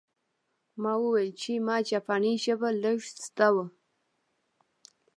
ما وویل چې ما جاپاني ژبه لږه زده وه